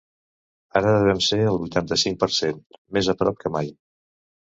Ara devem ser al vuitanta-cinc per cent, més a prop que mai.